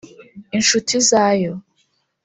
inshuti zayo